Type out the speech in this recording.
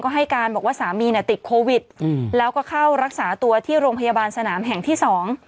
ให้การบอกว่าสามีเนี่ยติดโควิดอืมแล้วก็เข้ารักษาตัวที่โรงพยาบาลสนามแห่งที่สอง